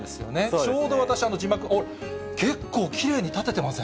ちょうど私、結構きれいに立ててません？